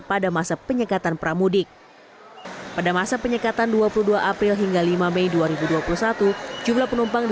pada masa penyekatan pramudik pada masa penyekatan dua puluh dua april hingga lima mei dua ribu dua puluh satu jumlah penumpang di